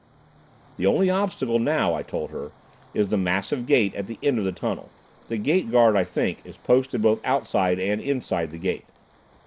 "The only obstacle now," I told her, "is the massive gate at the end of the tunnel. The gate guard, I think, is posted both outside and inside the gate."